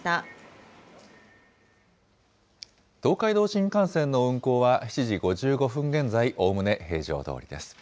東海道新幹線の運行は７時５５分現在、おおむね平常どおりです。